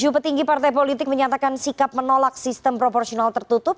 tujuh petinggi partai politik menyatakan sikap menolak sistem proporsional tertutup